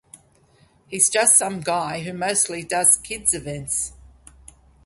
He's just some guy who mostly does kids' events.